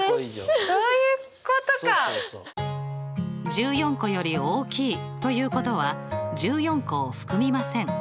１４個より大きいということは１４個を含みません。